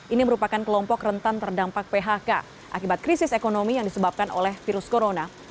ini merupakan kelompok rentan terdampak phk akibat krisis ekonomi yang disebabkan oleh virus corona